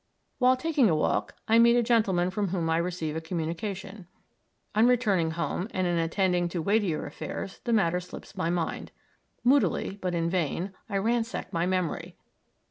While taking a walk I meet a gentleman from whom I receive a communication. On returning home, and in attending to weightier affairs, the matter slips my mind. Moodily, but in vain, I ransack my memory.